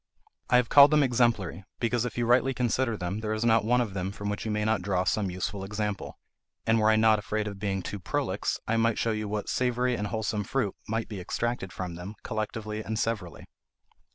I have called them exemplary, because if you rightly consider them, there is not one of them from which you may not draw some useful example; and were I not afraid of being too prolix, I might show you what savoury and wholesome fruit might be extracted from them, collectively and severally.